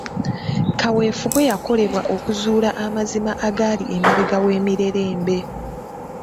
Kaweefube yakolebwa okuzuula amazima agali emabega w'emirerembe.